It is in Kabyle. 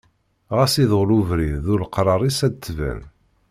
Ɣas iḍul ubrid d uleqrar-is ad d-tban.